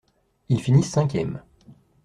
Ils finissent cinquièmes.